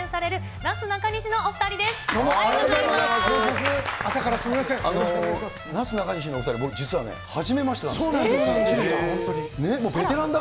なすなかにしの２人、もう実はね、はじめましてなんです。